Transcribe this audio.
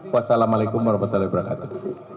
wassalamualaikum warahmatullahi wabarakatuh